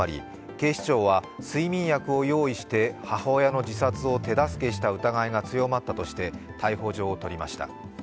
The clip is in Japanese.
警視庁は睡眠薬を用意して母親の自殺を手助けした疑いが強まったとして逮捕状を取りました。